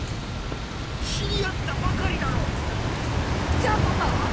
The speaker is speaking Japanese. じゃあパパは！？